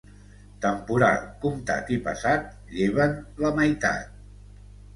Temporal comptat i passat, lleva'n la meitat.